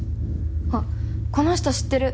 あっこの人知ってる。